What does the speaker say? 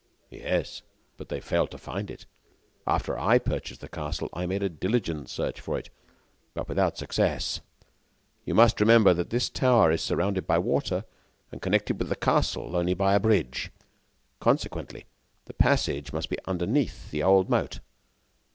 "Yes, but they failed to find it. After I purchased the castle, I made a diligent search for it, but without success. You must remember that this tower is surrounded by water and connected with the castle only by a bridge; consequently, the passage must be underneath the old moat.